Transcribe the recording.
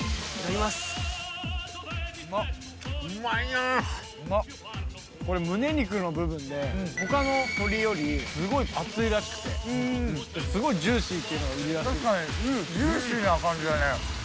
うまっうまいなはあっうまっこれ胸肉の部分でほかの鶏よりすごい厚いらしくてすごいジューシーっていうのが売りらしい・ジューシーな感じだね